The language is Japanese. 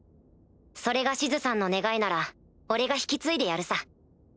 それがシズさんの願いなら俺が引き継いでやるさ。